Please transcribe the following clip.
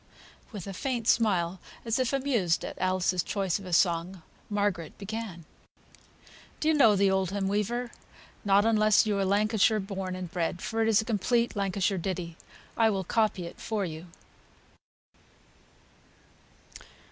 With a faint smile, as if amused at Alice's choice of a song, Margaret began. Do you know "The Oldham Weaver?" Not unless you are Lancashire born and bred, for it is a complete Lancashire ditty. I will copy it for you.